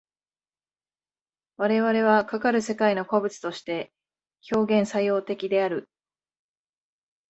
我々はかかる世界の個物として表現作用的である。